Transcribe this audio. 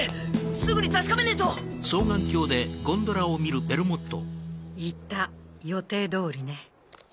すぐに確かめねえといた予定通りね。